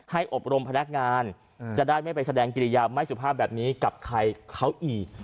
อบรมพนักงานจะได้ไม่ไปแสดงกิริยาไม่สุภาพแบบนี้กับใครเขาอีก